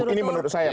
ini menurut saya